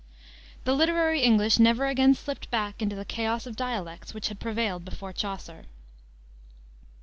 The literary English never again slipped back into the chaos of dialects which had prevailed before Chaucer.